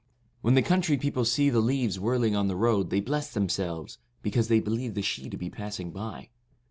When the country people see the 5 65 leaves whirling on the road they bless them selves, because they believe the Sidhe to be passing by.